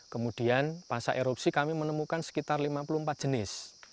kemudian pasca erupsi kami menemukan sekitar lima puluh empat jenis